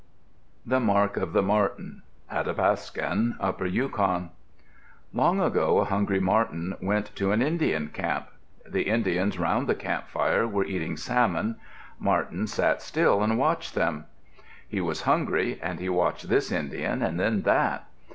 THE MARK OF THE MARTEN Athapascan (Upper Yukon) Long ago a hungry marten went to an Indian camp. The Indians around the camp fire were eating salmon. Marten sat still and watched them. He was hungry and he watched this Indian and then that.